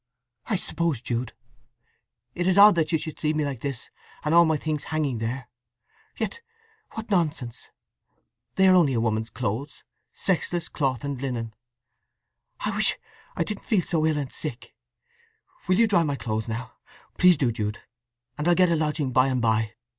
"I suppose, Jude, it is odd that you should see me like this and all my things hanging there? Yet what nonsense! They are only a woman's clothes—sexless cloth and linen… I wish I didn't feel so ill and sick! Will you dry my clothes now? Please do, Jude, and I'll get a lodging by and by.